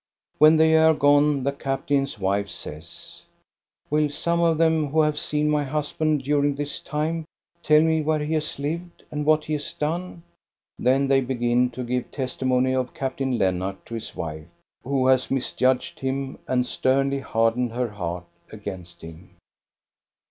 When they are gone the captain's wife says: " Will some of them who have seen my husband dur ing this time tell me where he has lived, and what he has done ?" Then they begin to give testimony of Captain Lennart to his wife, who has misjudged him and sternly hardened her heart against him.